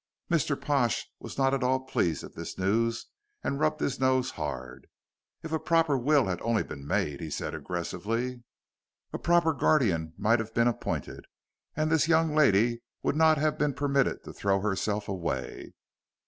Mr. Pash was not at all pleased at this news and rubbed his nose hard. "If a proper will had only been made," he said aggressively, "a proper guardian might have been appointed, and this young lady would not have been permitted to throw herself away."